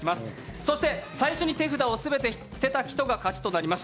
そして最初に手札を全て捨てた人が勝ちとなります。